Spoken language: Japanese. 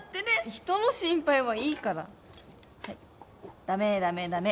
人の心配はいいからはいダメダメダメ